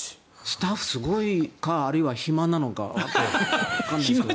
スタッフすごいのかあるいは暇なのか。